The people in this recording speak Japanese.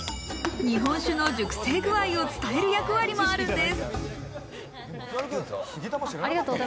日本酒の熟成具合を伝える役割もあるんです。